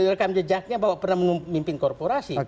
rekam jejaknya bahwa pernah memimpin korporasi